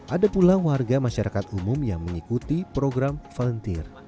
ada pula warga masyarakat umum yang mengikuti program volunteer